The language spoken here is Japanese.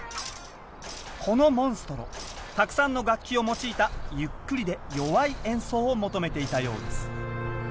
このモンストロたくさんの楽器を用いたゆっくりで弱い演奏を求めていたようです。